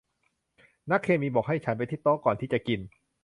นักเคมีบอกให้ฉันไปที่โต๊ะก่อนที่จะกิน